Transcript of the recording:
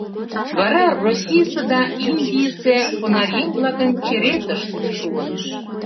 Вара Российысе да Индийысе понаръеҥ-влакын черетышт шуын.